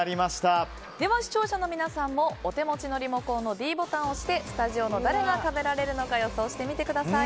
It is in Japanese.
では、視聴者の皆さんもお手持ちのリモコンのｄボタンを押してスタジオの誰が食べられるのか予想してみてください。